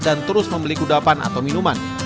terus membeli kudapan atau minuman